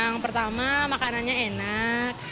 yang pertama makanannya enak